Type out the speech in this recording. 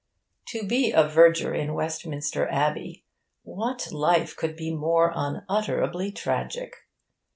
To be a verger in Westminster Abbey what life could be more unutterably tragic?